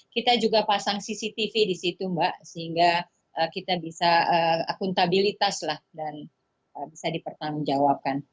kita juga pasang cctv di situ mbak sehingga kita bisa akuntabilitas lah dan bisa dipertanggungjawabkan